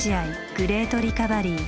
グレートリカバリー